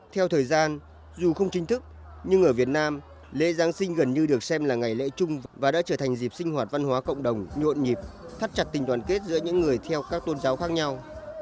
theo thời gian dù không chính thức nhưng ở việt nam lễ giáng sinh gần như được xem là ngày lễ chung và đã trở thành dịp sinh hoạt văn hóa cộng đồng nhuộn nhịp thắt chặt tình đoàn kết giữa những người theo các tôn giáo khác nhau